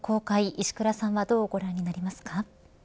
石倉さんはどうご覧になりますか。